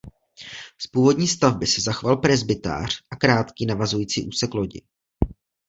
Z původní stavby se zachoval presbytář a krátký navazující úsek lodi.